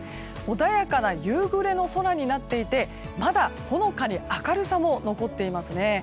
穏やかな夕暮れの空になっていてまだ、ほのかに明るさも残っていますね。